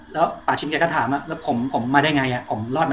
แล้วปอโชคแจ๊คอ้าถามเหมือนผมมาได้ไงอ่ะ